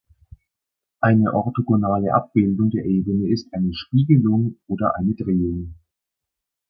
Eine orthogonale Abbildung der Ebene ist eine Spiegelung oder eine Drehung.